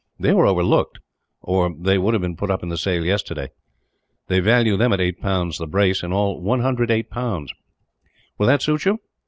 They were overlooked, or they would have been put up in the sale yesterday. They value them at 8 pounds the brace; in all, 108 pounds. "Will that suit you?